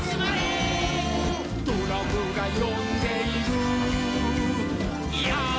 「ドラムがよんでいるヨー！」